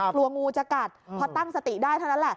กลัวงูจะกัดพอตั้งสติได้เท่านั้นแหละ